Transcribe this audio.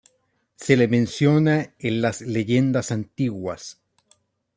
Se le menciona en las leyendas antiguas.